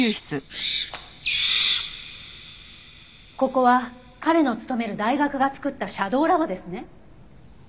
ここは彼の勤める大学が作ったシャドーラボですね。